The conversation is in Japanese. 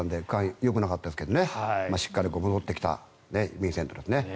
よくなかったんですけどしっかり戻ってきたヴィンセント君。